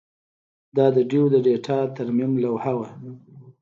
دا د ډیو د ډیټا ترمیم لوحه وه